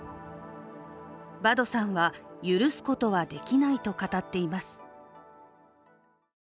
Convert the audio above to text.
バドさんは許すことはできないと語っています。